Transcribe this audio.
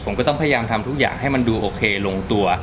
ผมก็ต้องพยายามทำทุกอย่างให้มันดูโอเคลงตัว